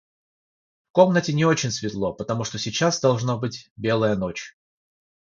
В комнате не очень светло, потому что сейчас, должно быть, белая ночь.